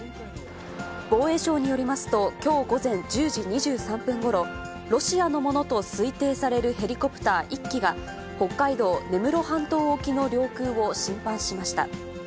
防衛省によりますと、きょう午前１０時２３分ごろ、ロシアのものと推定されるヘリコプター１機が、北海道根室半島沖の領空を侵犯しました。